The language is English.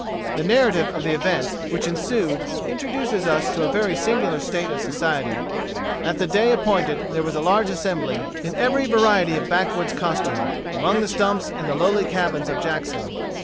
The narrative of the events which ensued introduces us to a very singular state of society. At the day appointed there was a large assembly, in every variety of backwoods costume, among the stumps and the lowly cabins of Jackson.